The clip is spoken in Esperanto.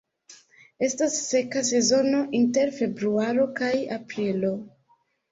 Estas seka sezono inter februaro kaj aprilo.